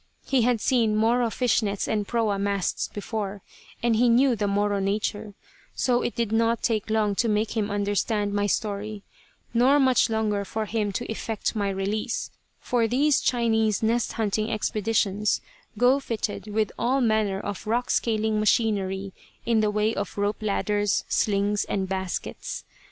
He had seen Moro fish nets and proa masts before, and he knew the Moro nature, so it did not take long to make him understand my story, nor much longer for him to effect my release, for these Chinese nest hunting expeditions go fitted with all manner of rock scaling machinery in the way of rope ladders, slings and baskets.